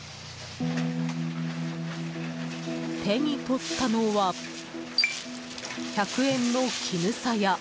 手に取ったのは１００円のキヌサヤ。